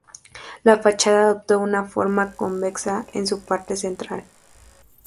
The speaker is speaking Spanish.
La fachada adoptó una forma convexa en su parte central.